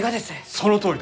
そのとおりだ！